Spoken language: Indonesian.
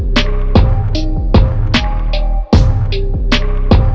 kalau bisa sampai sana aja bos